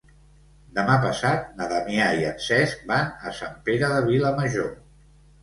Demà passat na Damià i en Cesc van a Sant Pere de Vilamajor.